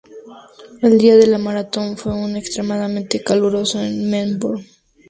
El día de la maratón fue un día extremadamente caluroso en Melbourne.